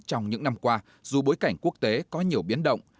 trong những năm qua dù bối cảnh quốc tế có nhiều biến động